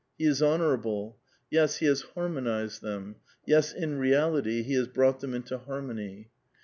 He is honor able. Yes, he has harmonized them ; yes, in reality, he has brought them into harmony.